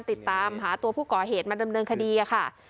ติดตามหาตัวผู้ก่อเหตุมาดำเนินคดีค่ะ